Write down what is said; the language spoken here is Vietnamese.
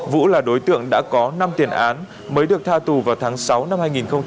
vũ là đối tượng đã có năm tiền án mới được tha tù vào tháng sáu năm hai nghìn hai mươi